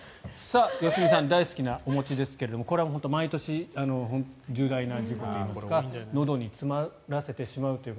良純さんが大好きなお餅ですがこれは本当に毎年、重大な事故になってのどに詰まらせてしまうという方